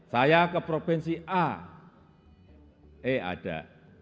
saya ke provinsi a eh ada